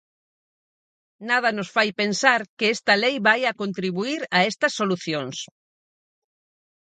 Nada nos fai pensar que esta lei vaia contribuír a estas solucións.